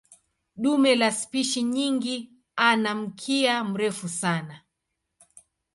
Dume la spishi nyingi ana mkia mrefu sana.